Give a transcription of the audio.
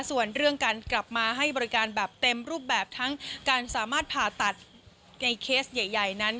ส่วนเรื่องการกลับมาให้บริการแบบเต็มรูปแบบทั้งการสามารถผ่าตัดในเคสใหญ่นั้น